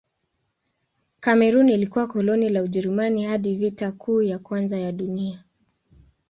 Kamerun ilikuwa koloni la Ujerumani hadi Vita Kuu ya Kwanza ya Dunia.